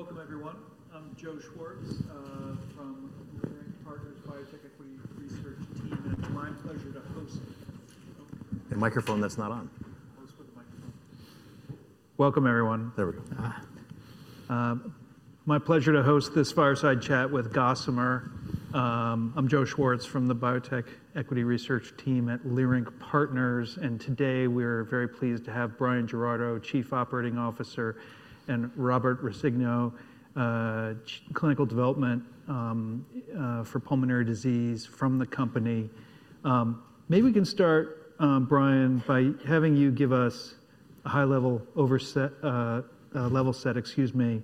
Welcome, everyone. I'm Joe Schwartz from the Leerink Partners Biotech Equity Research Team, and it's my pleasure to host. The microphone that's not on. Host with the microphone. Welcome, everyone. There we go. My pleasure to host this fireside chat with Gossamer. I'm Joe Schwartz from the Biotech Equity Research Team at Leerink Partners, and today we are very pleased to have Bryan Giraudo, Chief Operating Officer, and Robert Roscigno, Clinical Development for Pulmonary Disease from the company. Maybe we can start, Bryan, by having you give us a high-level set excuse me,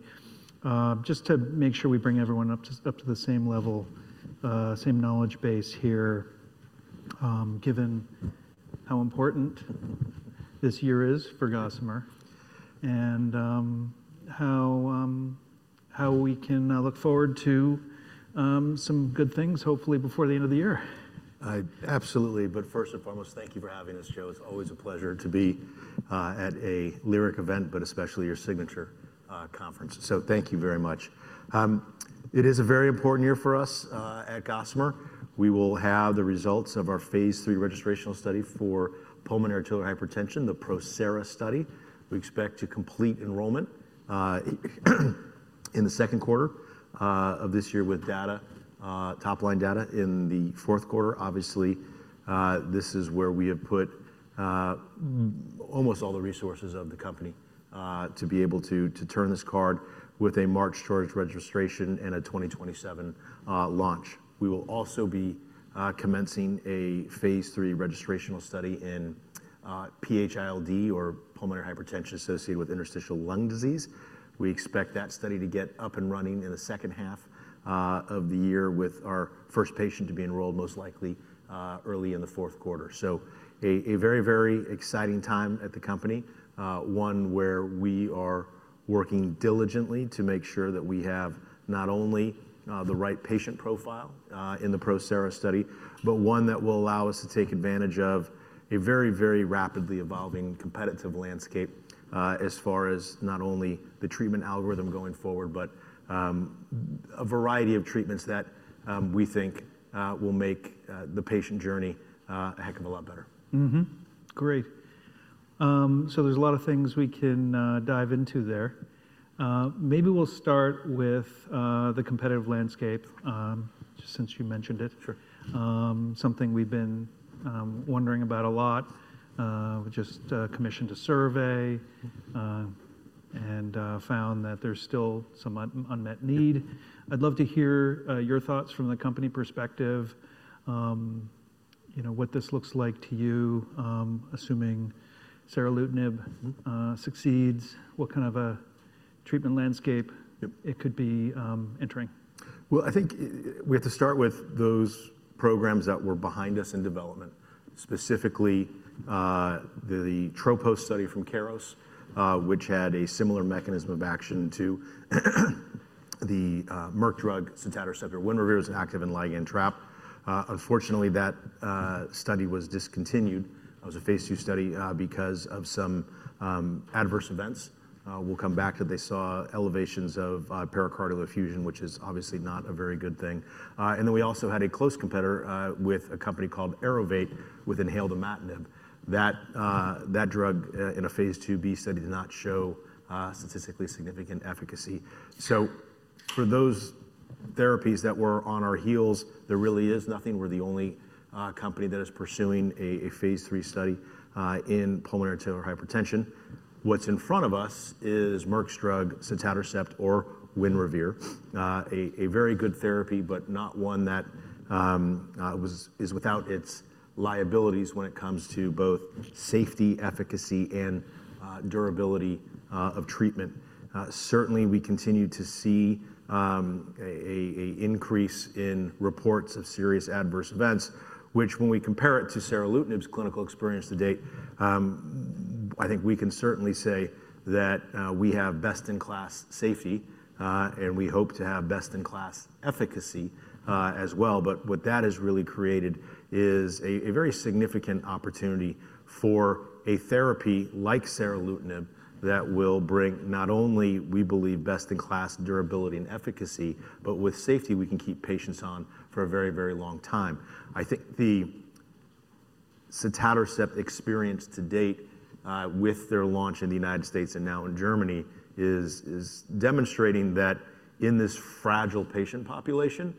just to make sure we bring everyone up to the same level, same knowledge base here, given how important this year is for Gossamer and how we can look forward to some good things, hopefully before the end of the year. Absolutely. First and foremost, thank you for having us, Joe. It's always a pleasure to be at a Leerink event, especially your signature conference. Thank you very much. It is a very important year for us at Gossamer. We will have the results of our phase III registrational study for pulmonary hypertension, the PROSERA study. We expect to complete enrollment in the second quarter of this year with top-line data in the fourth quarter. Obviously, this is where we have put almost all the resources of the company to be able to turn this card with a march towards registration and a 2027 launch. We will also be commencing a phase III registrational study in PH-ILD, or pulmonary hypertension associated with interstitial lung disease. We expect that study to get up and running in the second half of the year, with our first patient to be enrolled most likely early in the fourth quarter. A very, very exciting time at the company, one where we are working diligently to make sure that we have not only the right patient profile in the PROSERA study, but one that will allow us to take advantage of a very, very rapidly evolving competitive landscape as far as not only the treatment algorithm going forward, but a variety of treatments that we think will make the patient journey a heck of a lot better. Great. There are a lot of things we can dive into there. Maybe we'll start with the competitive landscape, just since you mentioned it. Sure. Something we've been wondering about a lot. We just commissioned a survey and found that there's still some unmet need. I'd love to hear your thoughts from the company perspective, what this looks like to you, assuming seralutinib succeeds, what kind of a treatment landscape it could be entering. I think we have to start with those programs that were behind us in development, specifically the TROPOS study from Keros, which had a similar mechanism of action to the Merck drug sotatercept, Winrevair, activin ligand trap. Unfortunately, that study was discontinued. It was a phase II study because of some adverse events. We'll come back to it. They saw elevations of pericardial effusion, which is obviously not a very good thing. We also had a close competitor with a company called Aerovate with inhaled imatinib. That drug, in a phase II-B study, did not show statistically significant efficacy. For those therapies that were on our heels, there really is nothing. We're the only company that is pursuing a phase III study in pulmonary hypertension. What's in front of us is Merck's drug, sotatercept or Winrevair, a very good therapy, but not one that is without its liabilities when it comes to both safety, efficacy, and durability of treatment. Certainly, we continue to see an increase in reports of serious adverse events, which when we compare it to seralutinib's clinical experience to date, I think we can certainly say that we have best-in-class safety, and we hope to have best-in-class efficacy as well. What that has really created is a very significant opportunity for a therapy like seralutinib that will bring not only, we believe, best-in-class durability and efficacy, but with safety, we can keep patients on for a very, very long time. I think the sotatercept experience to date with their launch in the United States and now in Germany is demonstrating that in this fragile patient population,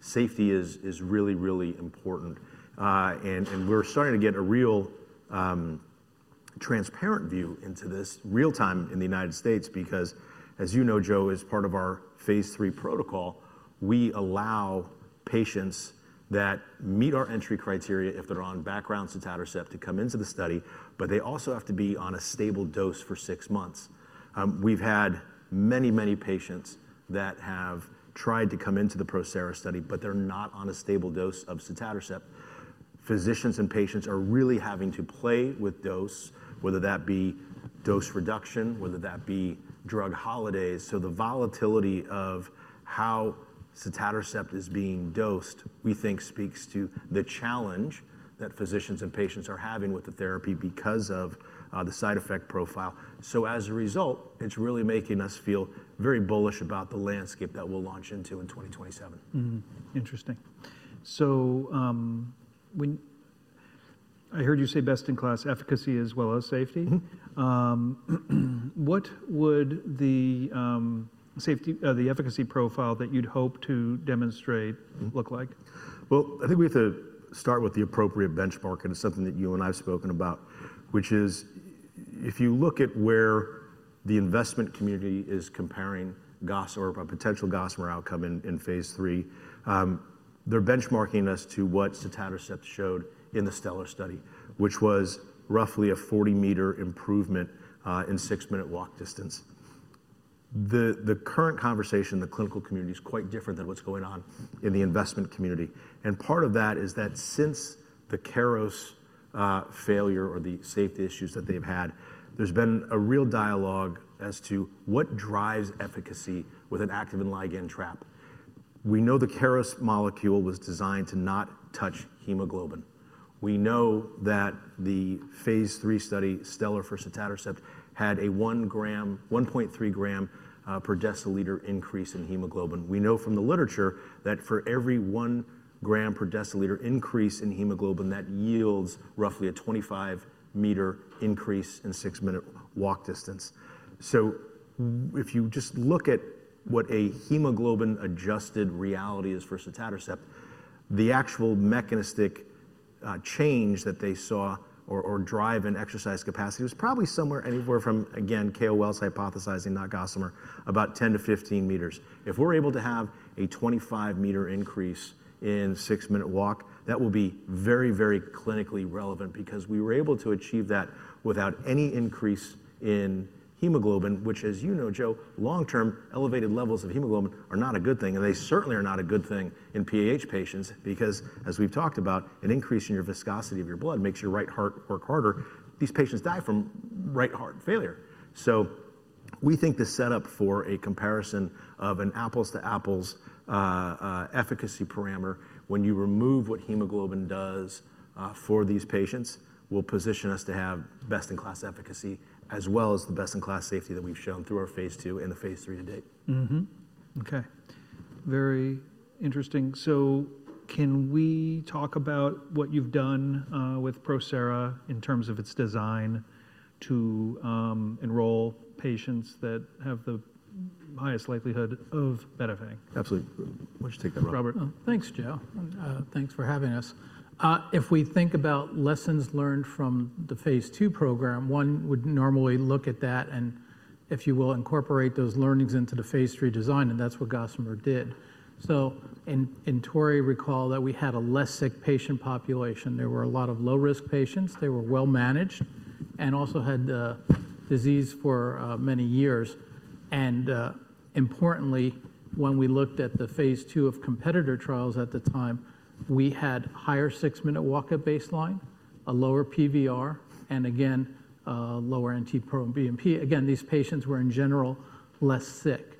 safety is really, really important. We're starting to get a real transparent view into this real time in the United States because, as you know, Joe, as part of our phase III protocol, we allow patients that meet our entry criteria if they're on background sotatercept to come into the study, but they also have to be on a stable dose for six months. We've had many, many patients that have tried to come into the PROSERA study, but they're not on a stable dose of sotatercept. Physicians and patients are really having to play with dose, whether that be dose reduction, whether that be drug holidays. The volatility of how sotatercept is being dosed, we think, speaks to the challenge that physicians and patients are having with the therapy because of the side effect profile. As a result, it's really making us feel very bullish about the landscape that we'll launch into in 2027. Interesting. I heard you say best-in-class efficacy as well as safety. What would the safety or the efficacy profile that you'd hope to demonstrate look like? I think we have to start with the appropriate benchmark, and it's something that you and I have spoken about, which is if you look at where the investment community is comparing Gossamer or a potential Gossamer outcome in phase III, they're benchmarking us to what sotatercept showed in the STELLAR study, which was roughly a 40-meter improvement in Six-minute walk distance. The current conversation in the clinical community is quite different than what's going on in the investment community. Part of that is that since the Winrevair failure or the safety issues that they've had, there's been a real dialogue as to what drives efficacy with an activin ligand trap. We know the Winrevair molecule was designed to not touch hemoglobin. We know that the phase III study, STELLAR for sotatercept, had a 1.3 g/dL increase in hemoglobin. We know from the literature that for every one gram per deciliter increase in hemoglobin, that yields roughly a 25-meter increase in Six-minute walk distance. If you just look at what a hemoglobin-adjusted reality is for sotatercept, the actual mechanistic change that they saw or drive in exercise capacity was probably somewhere anywhere from, again, KOLs hypothesizing, not Gossamer, about 10-15 meters. If we're able to have a 25-meter increase in Six-minute walk, that will be very, very clinically relevant because we were able to achieve that without any increase in hemoglobin, which, as you know, Joe, long-term elevated levels of hemoglobin are not a good thing, and they certainly are not a good thing in PAH patients because, as we've talked about, an increase in your viscosity of your blood makes your right heart work harder. These patients die from right heart failure. We think the setup for a comparison of an apples-to-apples efficacy parameter, when you remove what hemoglobin does for these patients, will position us to have best-in-class efficacy as well as the best-in-class safety that we've shown through our phase II and the phase III to date. Okay. Very interesting. Can we talk about what you've done with PROSERA in terms of its design to enroll patients that have the highest likelihood of benefiting? Absolutely. Why don't you take that, Robert? Thanks, Joe. Thanks for having us. If we think about lessons learned from the phase II program, one would normally look at that and, if you will, incorporate those learnings into the phase III design, and that's what Gossamer did. In TORREY, recall that we had a less sick patient population. There were a lot of low-risk patients. They were well-managed and also had disease for many years. Importantly, when we looked at the phase II of competitor trials at the time, we had higher Six-minute walk at baseline, a lower pulmonary vascular resistance, and again, lower NT-proBNP and BNP. Again, these patients were in general less sick.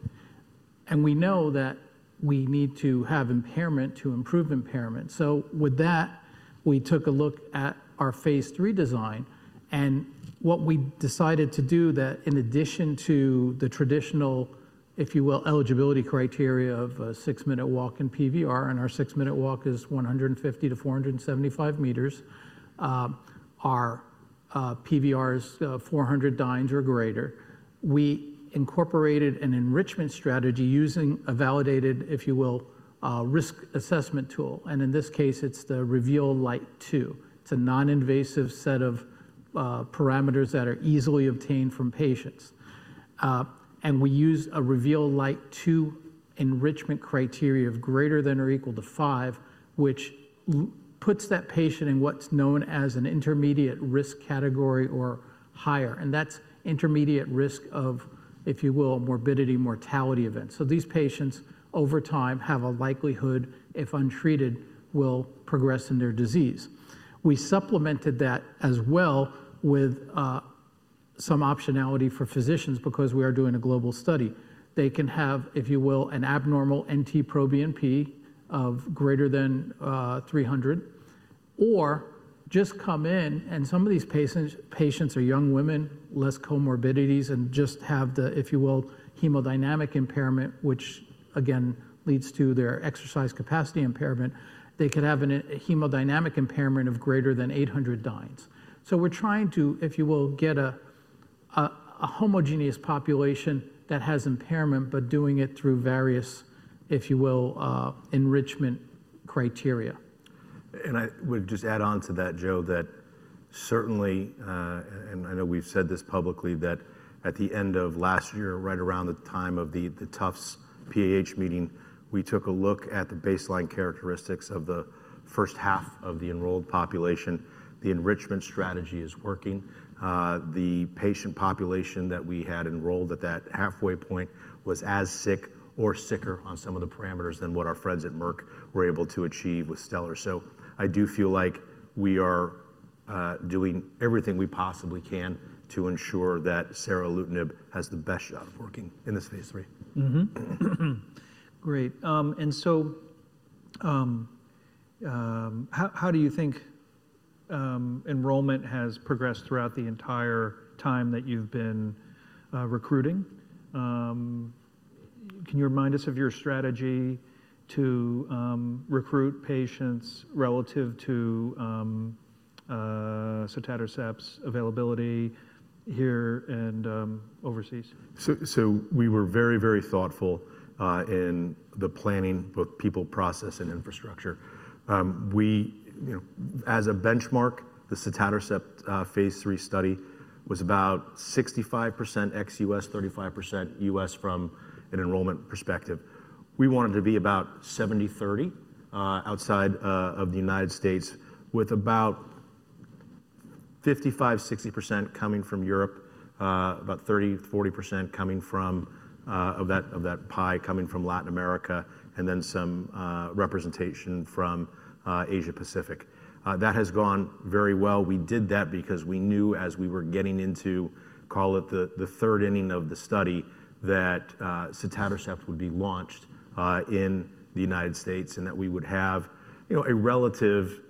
We know that we need to have impairment to improve impairment. With that, we took a look at our phase III design and what we decided to do is that in addition to the traditional, if you will, eligibility criteria of a Six-minute walk and PVR, and our Six-minute walk is 150-475 meters, our PVR is 400 dynes or greater. We incorporated an enrichment strategy using a validated, if you will, risk assessment tool. In this case, it's the REVEAL Lite 2. It's a non-invasive set of parameters that are easily obtained from patients. We use a REVEAL Lite 2 enrichment criteria of greater than or equal to five, which puts that patient in what's known as an intermediate risk category or higher. That's intermediate risk of, if you will, morbidity mortality events. These patients over time have a likelihood, if untreated, will progress in their disease. We supplemented that as well with some optionality for physicians because we are doing a global study. They can have, if you will, an abnormal NT-proBNP of greater than 300 or just come in, and some of these patients are young women, less comorbidities, and just have the, if you will, hemodynamic impairment, which again leads to their exercise capacity impairment. They could have a hemodynamic impairment of greater than 800 dynes. We are trying to, if you will, get a homogeneous population that has impairment, but doing it through various, if you will, enrichment criteria. I would just add on to that, Joe, that certainly, and I know we've said this publicly, that at the end of last year, right around the time of the Tufts PAH meeting, we took a look at the baseline characteristics of the first half of the enrolled population. The enrichment strategy is working. The patient population that we had enrolled at that halfway point was as sick or sicker on some of the parameters than what our friends at Merck were able to achieve with STELLAR. I do feel like we are doing everything we possibly can to ensure that seralutinib has the best shot of working in this phase III. Great. How do you think enrollment has progressed throughout the entire time that you've been recruiting? Can you remind us of your strategy to recruit patients relative to sotatercept's availability here and overseas? We were very, very thoughtful in the planning, both people, process, and infrastructure. As a benchmark, the sotatercept phase III study was about 65% ex-U.S., 35% U.S. from an enrollment perspective. We wanted to be about 70/30 outside of the United States, with about 55-60% coming from Europe, about 30-40% of that pie coming from Latin America, and then some representation from Asia-Pacific. That has gone very well. We did that because we knew as we were getting into, call it the third inning of the study, that sotatercept would be launched in the United States and that we would have a relative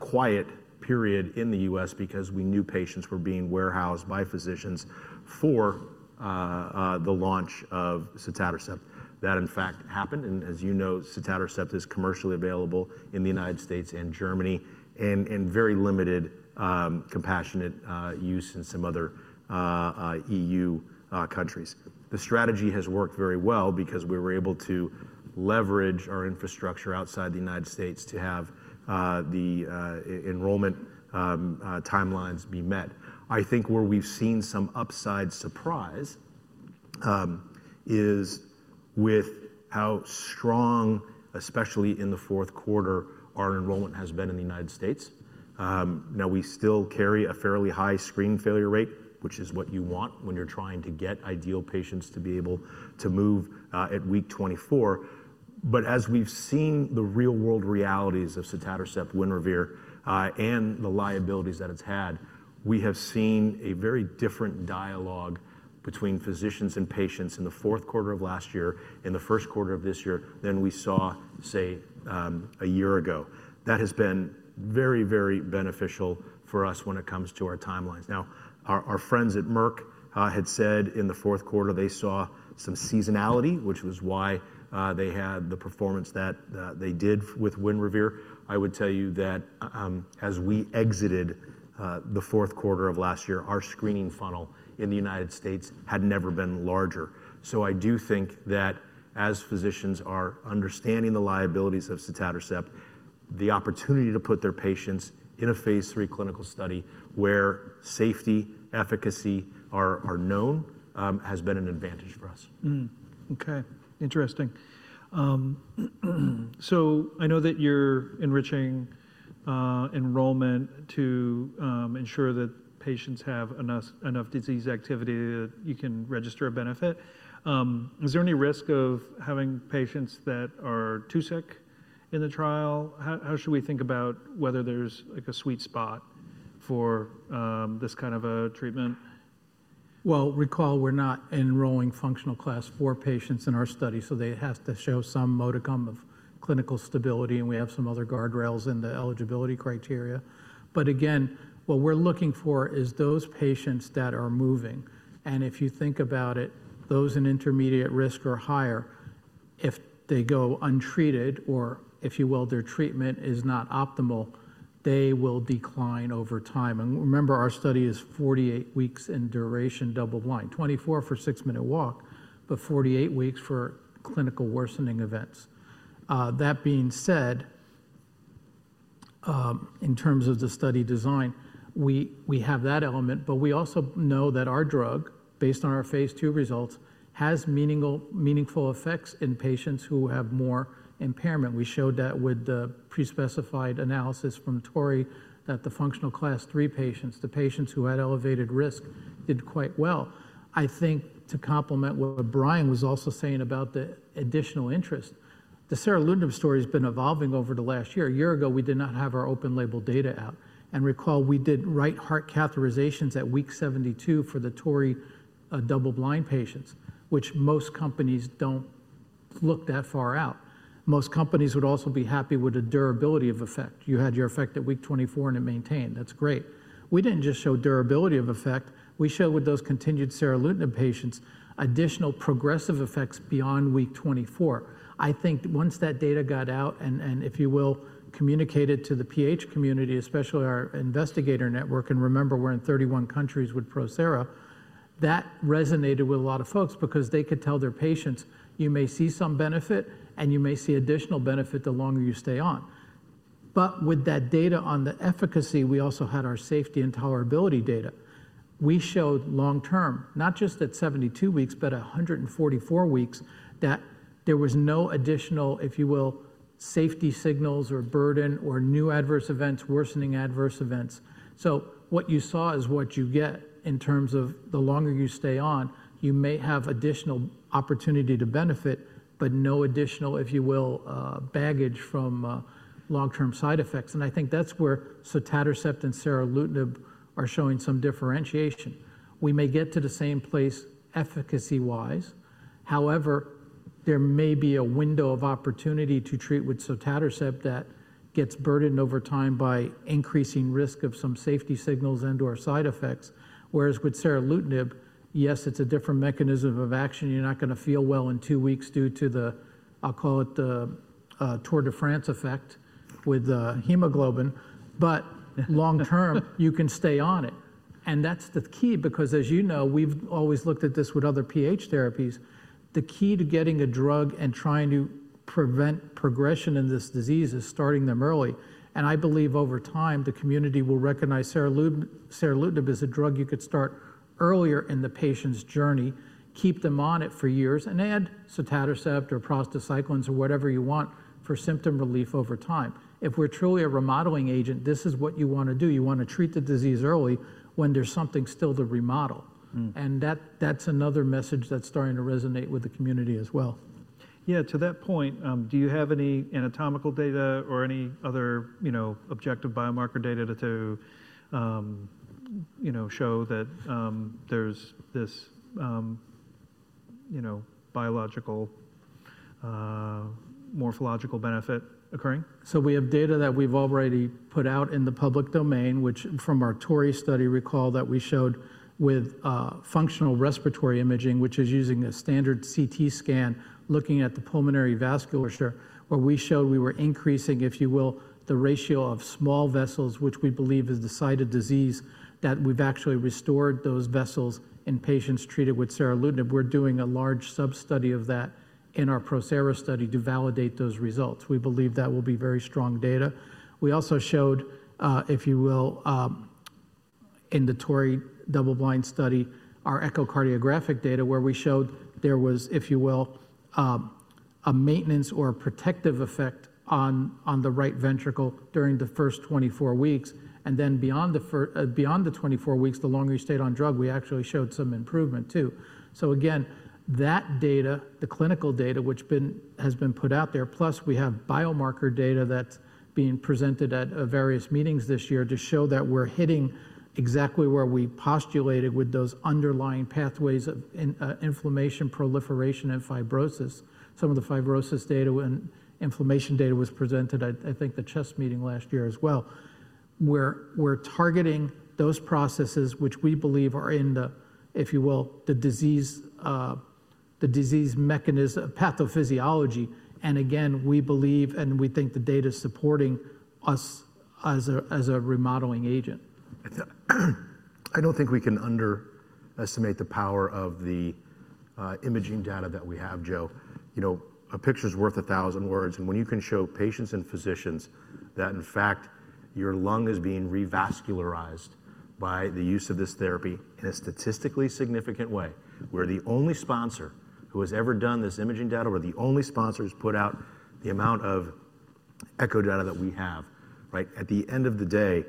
quiet period in the U.S. because we knew patients were being warehoused by physicians for the launch of sotatercept. That, in fact, happened. As you know, sotatercept is commercially available in the United States and Germany and very limited compassionate use in some other EU countries. The strategy has worked very well because we were able to leverage our infrastructure outside the United States to have the enrollment timelines be met. I think where we've seen some upside surprise is with how strong, especially in the fourth quarter, our enrollment has been in the United States. Now, we still carry a fairly high screen failure rate, which is what you want when you're trying to get ideal patients to be able to move at week 24. As we've seen the real-world realities of sotatercept, Winrevair, and the liabilities that it's had, we have seen a very different dialogue between physicians and patients in the fourth quarter of last year and the first quarter of this year than we saw, say, a year ago. That has been very, very beneficial for us when it comes to our timelines. Now, our friends at Merck had said in the fourth quarter they saw some seasonality, which was why they had the performance that they did with Winrevair. I would tell you that as we exited the fourth quarter of last year, our screening funnel in the United States had never been larger. I do think that as physicians are understanding the liabilities of sotatercept, the opportunity to put their patients in a phase III clinical study where safety, efficacy are known has been an advantage for us. Okay. Interesting. I know that you're enriching enrollment to ensure that patients have enough disease activity that you can register a benefit. Is there any risk of having patients that are too sick in the trial? How should we think about whether there's a sweet spot for this kind of a treatment? Recall we're not enrolling Functional Class IV patients in our study, so they have to show some modicum of clinical stability, and we have some other guardrails in the eligibility criteria. Again, what we're looking for is those patients that are moving. If you think about it, those in intermediate risk or higher, if they go untreated or, if you will, their treatment is not optimal, they will decline over time. Remember, our study is 48 weeks in duration, double-blind, 24 for Six-minute walk, but 48 weeks for clinical worsening events. That being said, in terms of the study design, we have that element, but we also know that our drug, based on our phase II results, has meaningful effects in patients who have more impairment. We showed that with the pre-specified analysis from TORREY that the functional class three patients, the patients who had elevated risk, did quite well. I think to complement what Bryan was also saying about the additional interest, the seralutinib story has been evolving over the last year. A year ago, we did not have our open label data out. Recall we did right heart catheterizations at week 72 for the TORREY double-blind patients, which most companies do not look that far out. Most companies would also be happy with the durability of effect. You had your effect at week 24, and it maintained. That is great. We did not just show durability of effect. We showed with those continued seralutinib patients additional progressive effects beyond week 24. I think once that data got out and, if you will, communicated to the PAH community, especially our investigator network, and remember we're in 31 countries with PROSERA, that resonated with a lot of folks because they could tell their patients, you may see some benefit, and you may see additional benefit the longer you stay on. With that data on the efficacy, we also had our safety and tolerability data. We showed long-term, not just at 72 weeks, but at 144 weeks, that there was no additional, if you will, safety signals or burden or new adverse events, worsening adverse events. What you saw is what you get in terms of the longer you stay on, you may have additional opportunity to benefit, but no additional, if you will, baggage from long-term side effects. I think that's where sotatercept and seralutinib are showing some differentiation. We may get to the same place efficacy-wise. However, there may be a window of opportunity to treat with sotatercept that gets burdened over time by increasing risk of some safety signals and/or side effects. Whereas with seralutinib, yes, it's a different mechanism of action. You're not going to feel well in two weeks due to the, I'll call it the Tour de France effect with hemoglobin, but long-term, you can stay on it. That's the key because, as you know, we've always looked at this with other PAH therapies. The key to getting a drug and trying to prevent progression in this disease is starting them early. I believe over time, the community will recognize seralutinib as a drug you could start earlier in the patient's journey, keep them on it for years, and add sotatercept or prostacyclines or whatever you want for symptom relief over time. If we're truly a remodeling agent, this is what you want to do. You want to treat the disease early when there's something still to remodel. That's another message that's starting to resonate with the community as well. Yeah. To that point, do you have any anatomical data or any other objective biomarker data to show that there's this biological morphological benefit occurring? We have data that we've already put out in the public domain, which from our TORREY study, recall that we showed with functional respiratory imaging, which is using a standard CT scan looking at the pulmonary vasculature, where we showed we were increasing, if you will, the ratio of small vessels, which we believe is the site of disease, that we've actually restored those vessels in patients treated with seralutinib. We're doing a large sub-study of that in our PROSERA study to validate those results. We believe that will be very strong data. We also showed, if you will, in the TORREY double-blind study, our echocardiographic data where we showed there was, if you will, a maintenance or a protective effect on the right ventricle during the first 24 weeks. Beyond the 24 weeks, the longer you stayed on drug, we actually showed some improvement too. That data, the clinical data, which has been put out there, plus we have biomarker data that's being presented at various meetings this year to show that we're hitting exactly where we postulated with those underlying pathways of inflammation, proliferation, and fibrosis. Some of the fibrosis data and inflammation data was presented, I think, at the CHEST meeting last year as well. We're targeting those processes, which we believe are in the, if you will, the disease pathophysiology. Again, we believe and we think the data is supporting us as a remodeling agent. I don't think we can underestimate the power of the imaging data that we have, Joe. A picture's worth a thousand words. When you can show patients and physicians that, in fact, your lung is being revascularized by the use of this therapy in a statistically significant way, we're the only sponsor who has ever done this imaging data. We're the only sponsor who's put out the amount of echo data that we have. At the end of the day,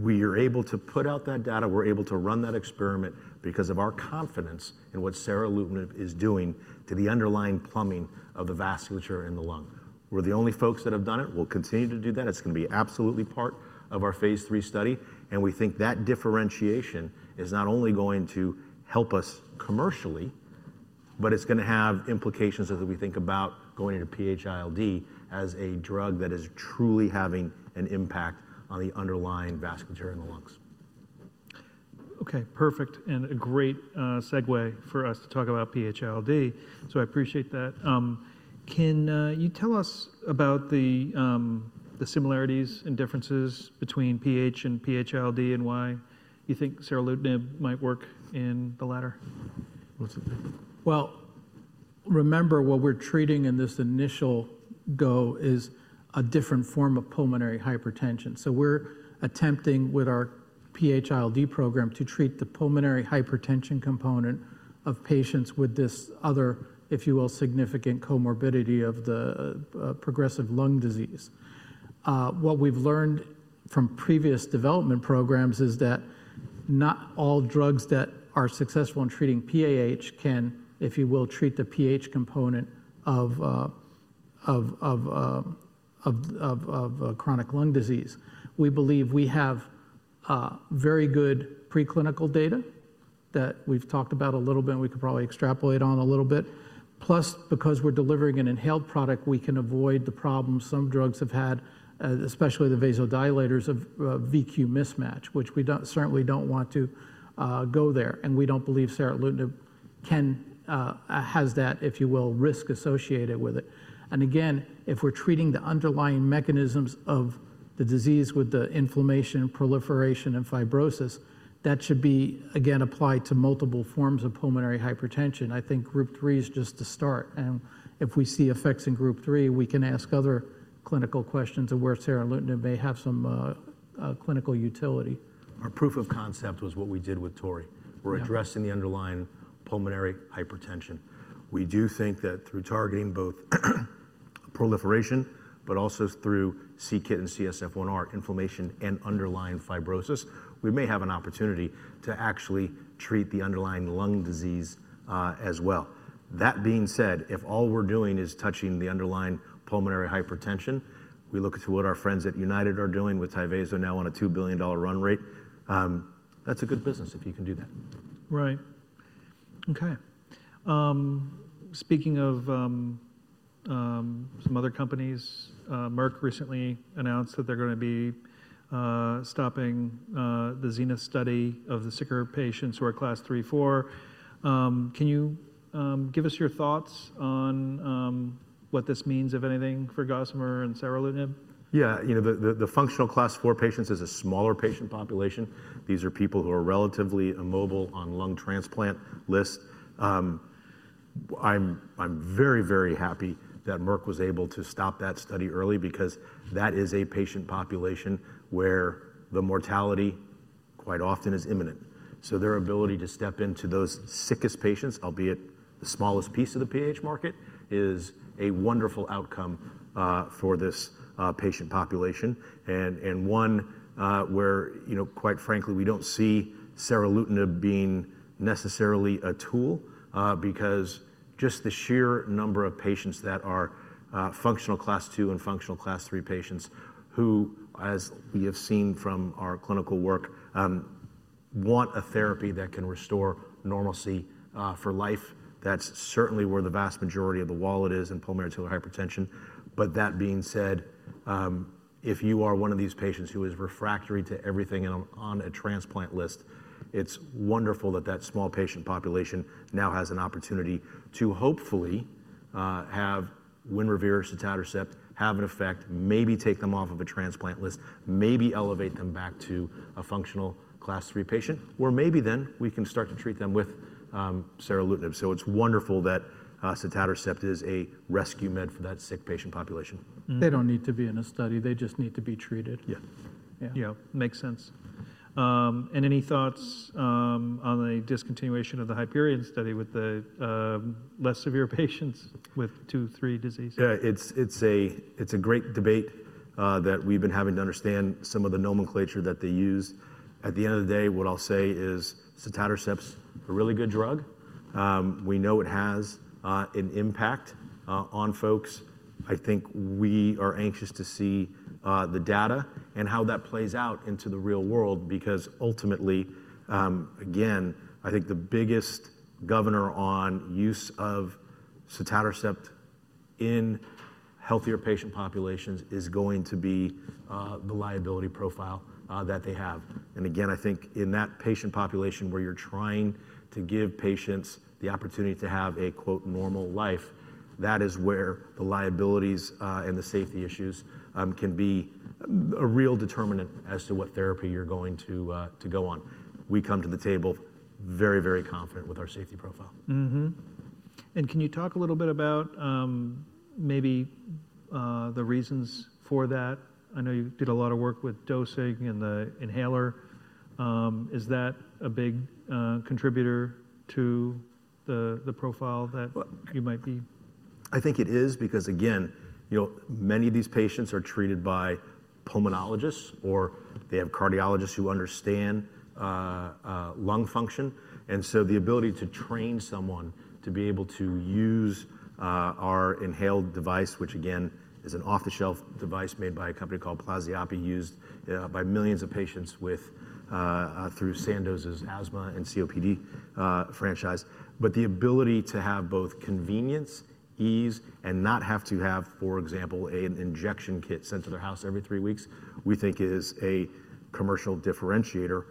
we are able to put out that data. We're able to run that experiment because of our confidence in what seralutinib is doing to the underlying plumbing of the vasculature in the lung. We're the only folks that have done it. We'll continue to do that. It's going to be absolutely part of our phase III study. We think that differentiation is not only going to help us commercially, but it's going to have implications as we think about going into PH-ILD as a drug that is truly having an impact on the underlying vasculature in the lungs. Okay. Perfect. That is a great segue for us to talk about PH-ILD. I appreciate that. Can you tell us about the similarities and differences between PH and PH-ILD and why you think seralutinib might work in the latter? Remember what we're treating in this initial go is a different form of pulmonary hypertension. We're attempting with our PH-ILD program to treat the pulmonary hypertension component of patients with this other, if you will, significant comorbidity of the progressive lung disease. What we've learned from previous development programs is that not all drugs that are successful in treating PAH can, if you will, treat the PH component of chronic lung disease. We believe we have very good preclinical data that we've talked about a little bit. We could probably extrapolate on a little bit. Plus, because we're delivering an inhaled product, we can avoid the problems some drugs have had, especially the vasodilators of VQ mismatch, which we certainly don't want to go there. We don't believe seralutinib has that, if you will, risk associated with it. If we're treating the underlying mechanisms of the disease with the inflammation, proliferation, and fibrosis, that should be, again, applied to multiple forms of pulmonary hypertension. I think group three is just the start. If we see effects in group three, we can ask other clinical questions of where seralutinib may have some clinical utility. Our proof of concept was what we did with TORREY. We're addressing the underlying pulmonary hypertension. We do think that through targeting both proliferation, but also through c-KIT and CSF1R, inflammation and underlying fibrosis, we may have an opportunity to actually treat the underlying lung disease as well. That being said, if all we're doing is touching the underlying pulmonary hypertension, we look at what our friends at United are doing with Tyvaso now on a $2 billion run rate. That's a good business if you can do that. Right. Okay. Speaking of some other companies, Merck recently announced that they're going to be stopping the ZENITH study of the sicker patients who are class three and four. Can you give us your thoughts on what this means, if anything, for Gossamer and seralutinib? Yeah. You know, the Functional Class IV patients is a smaller patient population. These are people who are relatively immobile on lung transplant lists. I'm very, very happy that Merck was able to stop that study early because that is a patient population where the mortality quite often is imminent. Their ability to step into those sickest patients, albeit the smallest piece of the PAH market, is a wonderful outcome for this patient population. One where, quite frankly, we don't see seralutinib being necessarily a tool because just the sheer number of patients that are functional class two and functional class three patients who, as we have seen from our clinical work, want a therapy that can restore normalcy for life. That's certainly where the vast majority of the wallet is in pulmonary hypertension. That being said, if you are one of these patients who is refractory to everything and on a transplant list, it's wonderful that that small patient population now has an opportunity to hopefully have Winrevair and sotatercept have an effect, maybe take them off of a transplant list, maybe elevate them back to a functional class 3 patient, or maybe then we can start to treat them with seralutinib. It's wonderful that sotatercept is a rescue med for that sick patient population. They don't need to be in a study. They just need to be treated. Yeah. Yeah. Makes sense. Any thoughts on the discontinuation of the HYPERION study with the less severe patients with two and three disease? Yeah. It's a great debate that we've been having to understand some of the nomenclature that they use. At the end of the day, what I'll say is sotatercept's a really good drug. We know it has an impact on folks. I think we are anxious to see the data and how that plays out into the real world because ultimately, again, I think the biggest governor on use of sotatercept in healthier patient populations is going to be the liability profile that they have. I think in that patient population where you're trying to give patients the opportunity to have a "normal life," that is where the liabilities and the safety issues can be a real determinant as to what therapy you're going to go on. We come to the table very, very confident with our safety profile. Can you talk a little bit about maybe the reasons for that? I know you did a lot of work with dosing and the inhaler. Is that a big contributor to the profile that you might be? I think it is because, again, many of these patients are treated by pulmonologists or they have cardiologists who understand lung function. The ability to train someone to be able to use our inhaled device, which again, is an off-the-shelf device made by a company called Plastiape, used by millions of patients through Sandoz's asthma and COPD franchise. The ability to have both convenience, ease, and not have to have, for example, an injection kit sent to their house every three weeks, we think is a commercial differentiator.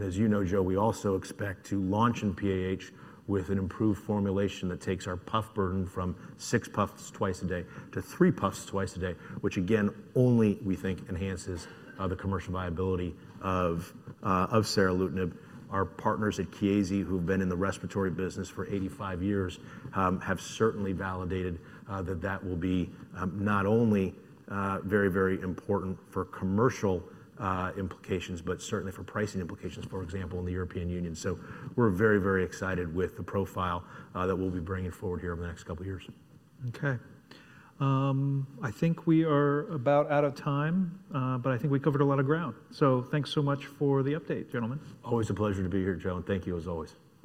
As you know, Joe, we also expect to launch in PAH with an improved formulation that takes our puff burden from six puffs twice a day to three puffs twice a day, which again, only we think enhances the commercial viability of seralutinib. Our partners at Chiesi, who've been in the respiratory business for 85 years, have certainly validated that that will be not only very, very important for commercial implications, but certainly for pricing implications, for example, in the European Union. We are very, very excited with the profile that we'll be bringing forward here over the next couple of years. Okay. I think we are about out of time, but I think we covered a lot of ground. Thanks so much for the update, gentlemen. Always a pleasure to be here, Joe. Thank you as always.